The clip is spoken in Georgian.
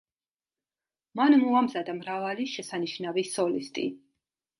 მან მოამზადა მრავალი შესანიშნავი სოლისტი.